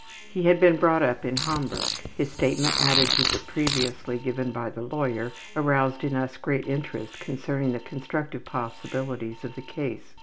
He had been brought up in Hamburg. His statement added to that previously given by the lawyer aroused in us great interest concerning the constructive possibilities of the case.